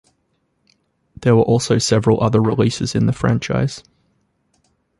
There were also several other releases in the franchise.